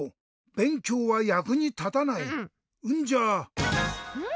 べんきょうはやくにたたない。